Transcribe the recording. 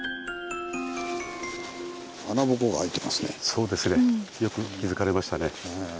そうですねよく気付かれましたね。